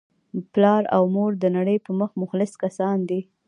پلار او مور دنړۍ په مخ مخلص کسان دي